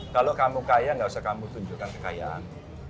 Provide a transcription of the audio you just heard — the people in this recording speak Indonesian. kalau kamu kaya gak usah kamu tunjukkan kekayaan